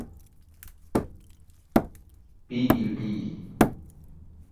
پی ای ٹی